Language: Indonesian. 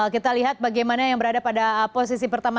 kita lihat bagaimana yang berada pada posisi pertama